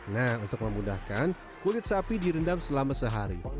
nah untuk memudahkan kulit sapi direndam selama sehari